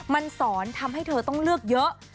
มันสอนทำให้เธอต้องเลือกเยอะ